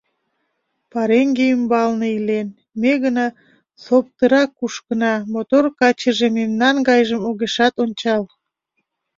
Пареҥге ӱмбалне илен, ме гына соптыра кушкына, мотор качыже мемнан гайжым огешат ончал.